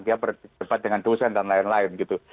dia berdebat dengan dosen dan lain lain gitu